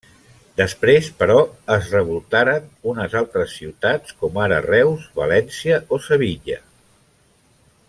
Després, però, es revoltaren unes altres ciutats com ara Reus, València o Sevilla.